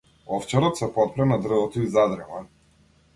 Овчарот се потпре на дрвото и задрема.